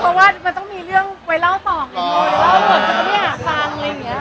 เพราะว่ามันต้องมีเรื่องช่วยเล่าต่อง